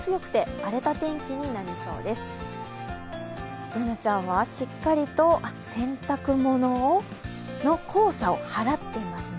Ｂｏｏｎａちゃんはしっかりと洗濯物の黄砂を払っていますね。